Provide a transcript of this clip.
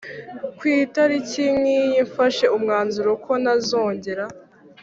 kwitariki nkiyi mfashe umwanzuro ko ntazongera